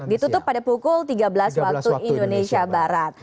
ditutup pada pukul tiga belas waktu indonesia barat